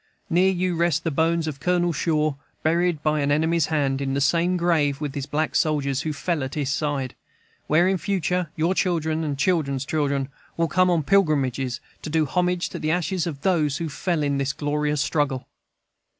Near you rest the bones of Colonel Shaw, buried by an enemy's hand, in the same grave with his black soldiers, who fell at his side; where, in future, your children's children will come on pilgrimages to do homage to the ashes of those that fell in this glorious struggle.